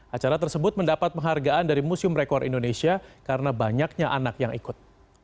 acara tersebut mendapat penghargaan dari museum rekor indonesia karena banyaknya anak yang ikut